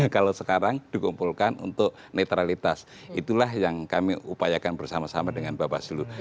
kalau sekarang dikumpulkan untuk netralitas itulah yang kami upayakan bersama sama dengan bapak sulu